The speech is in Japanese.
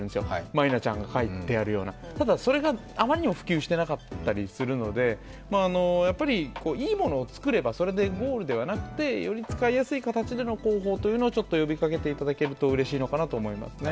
マイナちゃんが書いてあるような、それがあまりにも普及していなかったりするので、いいものを作ればそれでゴールではなくて、より使いやすい形での広報というのをちょっと呼びかけていただけるとうれしいのかなと思いますね。